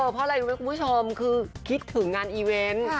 เพราะอะไรรู้ไหมคุณผู้ชมคือคิดถึงงานอีเวนต์